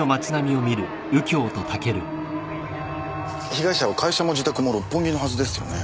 被害者は会社も自宅も六本木のはずですよね。